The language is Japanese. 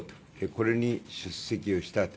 これに出席をした。